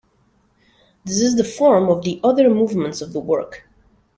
This is the form of the other movements of the work.